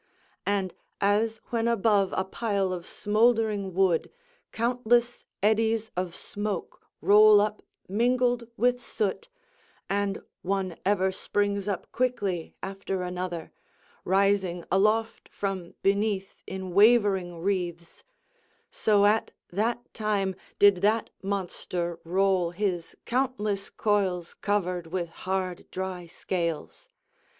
And as when above a pile of smouldering wood countless eddies of smoke roll up mingled with soot, and one ever springs up quickly after another, rising aloft from beneath in wavering wreaths; so at that time did that monster roll his countless coils covered with hard dry scales.